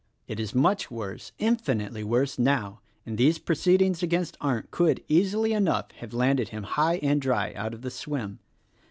It is much worse, infinitely worse now; and these proceedings against Arndt could, easily enough, have landed him high and dry out of the swim.